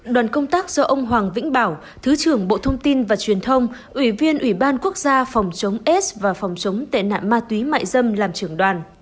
đoàn công tác do ông hoàng vĩnh bảo thứ trưởng bộ thông tin và truyền thông ủy viên ủy ban quốc gia phòng chống aids và phòng chống tệ nạn ma túy mại dâm làm trưởng đoàn